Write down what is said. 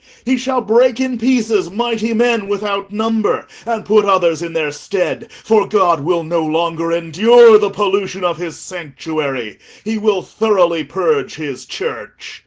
He shall break in pieces mighty men without number, and put others in their stead. For God will no longer endure the pollution of his sanctuary; he will thoroughly purge his Church.